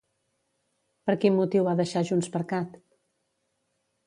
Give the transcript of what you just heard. Per quin motiu va deixar JxCat?